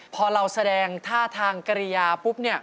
พอเราแสดงท่าทางกริยาปุ๊บเนี่ย